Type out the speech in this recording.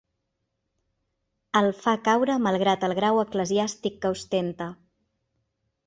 El fa caure malgrat el grau eclesiàstic que ostenta.